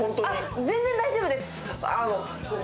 全然大丈夫です。